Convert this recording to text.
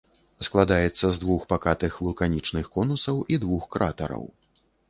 Складаецца з двух пакатых вулканічных конусаў і двух кратараў.